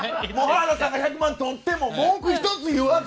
原田さんが１００万取っても文句１つ言わず。